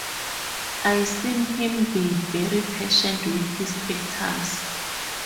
I seen him be very patient with his actors.